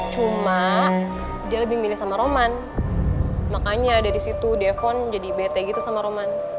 cuma dia lebih milih sama roman makanya dari situ defon jadi bete gitu sama roman